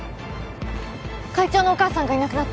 会長のお母さんがいなくなった。